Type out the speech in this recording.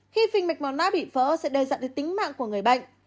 khi phình mạch máu não bị vỡ sẽ đề dặn đến tính mạng của người bệnh